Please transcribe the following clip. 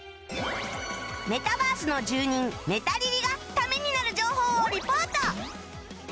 メタバースの住人メタリリがためになる情報をリポート！